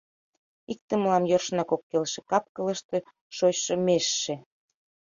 Икте мылам йӧршынак ок келше: кап-кылыште шочшо межше.